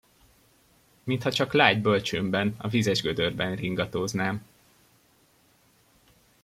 Mintha csak lágy bölcsőmben, a vizesgödörben ringatóznám!